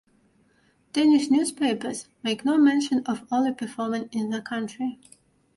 Danish newspapers make no mention of Ollie performing in the country.